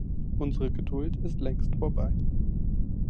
Unsere Geduld ist längst vorbei.